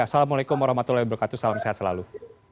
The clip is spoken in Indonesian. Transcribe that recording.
assalamualaikum warahmatullahi wabarakatuh salam sehat selalu